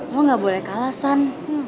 lo gak boleh kalah san